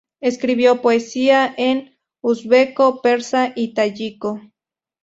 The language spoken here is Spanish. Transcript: Escribió poesía en uzbeko, persa, y tayiko.